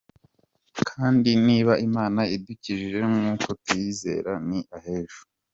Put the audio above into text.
Kandi niba Imana idukijije nk’uko tuyizera ni ah’ejo.